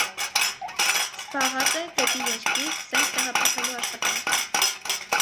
Զբաղած է՝ դէպի երկիր, զէնք տեղափոխելու աշխատանքով։